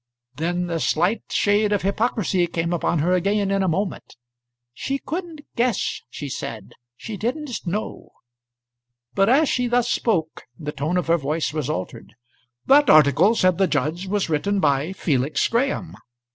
Then the slight shade of hypocrisy came upon her again in a moment. "She couldn't guess," she said; "she didn't know." But as she thus spoke the tone of her voice was altered. "That article," said the judge, "was written by Felix Graham.